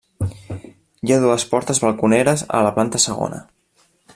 Hi ha dues portes balconeres a la planta segona.